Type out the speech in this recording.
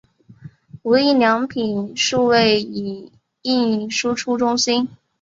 无印良品数位影印输出中心